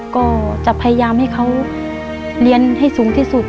ก็จะพยายามให้เขาเรียนให้สูงที่สุด